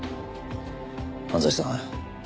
安西さん